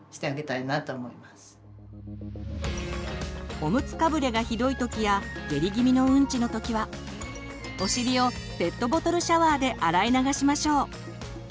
おむつかぶれがひどい時や下痢気味のうんちの時はお尻をペットボトルシャワーで洗い流しましょう。